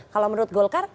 kalau menurut golkar